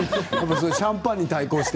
シャンパンに対抗して。